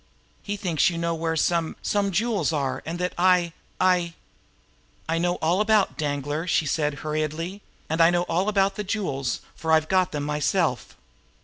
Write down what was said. He thinks you know where some some jewels are, and that I I " "I know all about Danglar," she said hurriedly. "And I know all about the jewels, for I've got them myself."